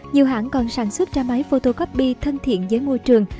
nhiều hãng còn sản xuất ra máy photocopy thân thiện với môi trường